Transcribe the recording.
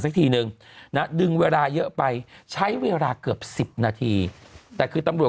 สักทีนึงนะดึงเวลาเยอะไปใช้เวลาเกือบสิบนาทีแต่คือตำรวจ